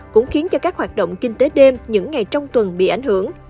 cũng khiến cho các hoạt động kinh tế đêm những ngày trong tuần bị ảnh hưởng